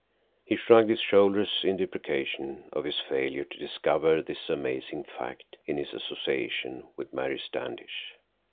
He shrugged his shoulders in deprecation of his failure to discover this amazing fact in his association with Mary Standish.